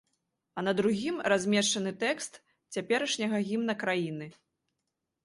А на другім размешчаны тэкст цяперашняга гімна краіны.